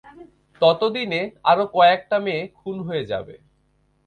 ততদিনে, আরও কয় একটা মেয়ে খুন হয়ে যাবে।